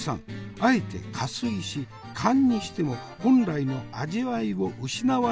あえて加水し燗にしても本来の味わいを失わないようにした。